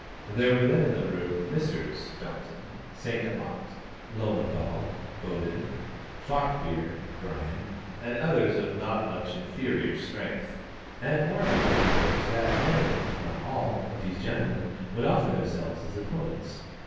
There were then in the room Messrs. Staunton, Saint Amant, Löwenthal, Boden, Falkbeer, Brien, and others of not much inferior strength, and Morphy was in hopes that many, if not all, of these gentlemen would offer themselves as opponents.